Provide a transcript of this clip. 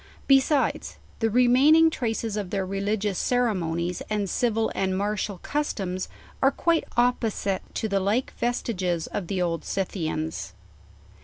Besides, the remaining traces of their religious ceremonies and civil and martial customs are quiie opposite to the like vestiges of the Old Scythians.